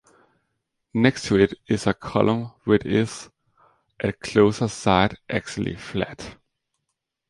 Next to it is a column which is, at closer sight, actually flat.